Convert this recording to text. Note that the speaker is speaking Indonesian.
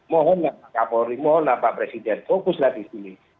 mohonlah pak kapolri mohonlah pak presiden fokuslah di sini